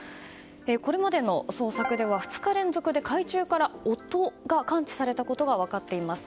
これまでの捜索では２日連続で海中から音が感知されたことが分かっています。